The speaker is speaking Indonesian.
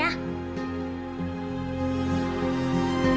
coba biar mama nyurut